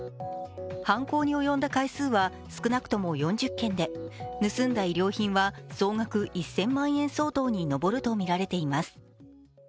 犯行に及んだ回数は少なくとも４０件で、盗んだ衣料品は総額１０００万円相当に上るとみられています。